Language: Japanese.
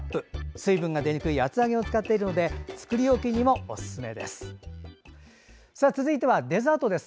水分が出にくい厚揚げを使っているので作り置きにもおすすめです。